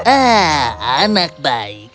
ah anak baik